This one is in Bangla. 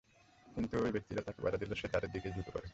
কিন্তু ঐ ব্যক্তিরা তাকে বাধা দিলে সে তাদের দিকেই ঝুঁকে পড়ে।